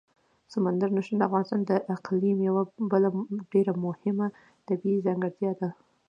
سمندر نه شتون د افغانستان د اقلیم یوه بله ډېره مهمه طبیعي ځانګړتیا ده.